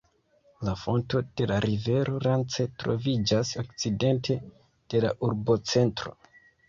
La fonto de la rivero Rance troviĝas okcidente de la urbocentro.